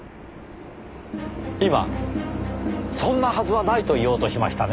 今「そんなはずはない」と言おうとしましたね？